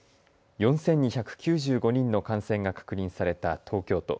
４２９５人の感染が確認された東京都。